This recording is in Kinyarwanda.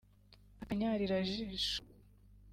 Akanyarirajisho